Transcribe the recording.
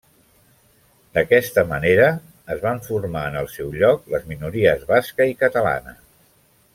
D'aquesta manera, es van formar en el seu lloc les minories basca i catalana.